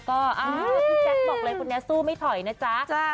ก็พี่แจ๊คบอกเลยคนนี้สู้ไม่ถอยนะจ๊ะ